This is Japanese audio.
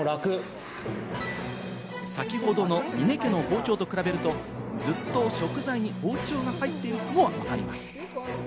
先ほどの峰家の包丁と比べると、すっと食材に包丁が入っていくのがわかります。